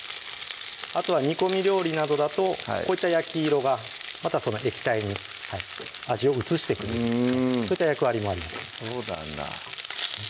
あとは煮込み料理などだとこういった焼き色がまた液体に味を移してくれるそういった役割もありますそうなんだ